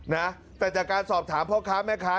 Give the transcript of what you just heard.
นะแต่จากการสอบถามพ่อค้าแม่ค้า